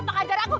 pak ajar aku